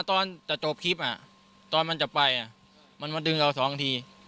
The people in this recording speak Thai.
อ๋อตอนจะจบคลิปน่ะตอนมันจะไปอ่ะมันมาดึงเรา๒ที